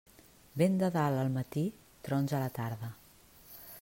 Vent de dalt al matí, trons a la tarda.